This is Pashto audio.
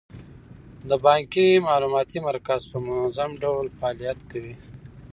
د بانک معلوماتي مرکز په منظم ډول فعالیت کوي.